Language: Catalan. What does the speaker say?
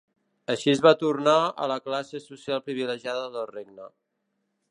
Així es va tornar a la classe social privilegiada del regne.